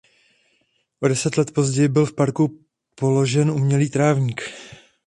O deset let později byl v parku položen umělý trávník.